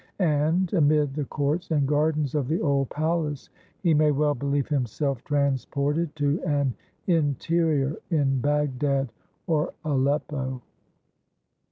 And amid the courts and gardens of the old palace he may well believe himself transported to an "interior" in Bagdad or Aleppo.